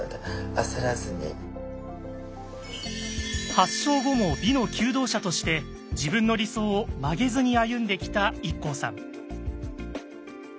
発症後も美の求道者として自分の理想を曲げずに歩んできたＩＫＫＯさん。